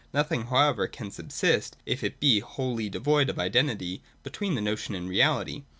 Nothing however can subsist, if it be wholly devoid of identity between the notion and reality.